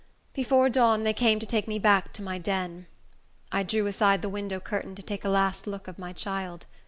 Before dawn they came to take me back to my den. I drew aside the window curtain, to take a last look of my child.